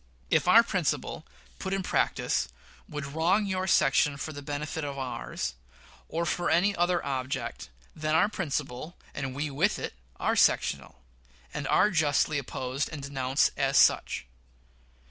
If our principle, put in practice, would wrong your section for the benefit of ours, or for any other object, then our principle, and we with it, are sectional, and are justly opposed and denounced as such.